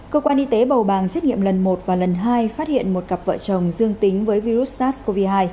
cơ quan y tế bầu bàng xét nghiệm lần một và lần hai phát hiện một cặp vợ chồng dương tính với virus sars cov hai